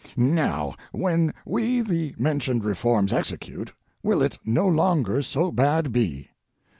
Now, when we the mentioned reforms execute, will it no longer so bad be.